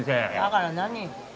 だから何？